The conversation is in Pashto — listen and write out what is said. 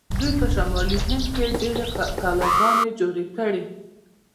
دوی په شمالي هند کې ډیرې کلاګانې جوړې کړې.